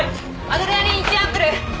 アドレナリン１アンプル。